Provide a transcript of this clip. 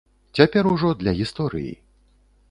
Цяпер ужо для гісторыі.